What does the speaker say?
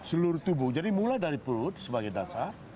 seluruh tubuh jadi mulai dari perut sebagai dasar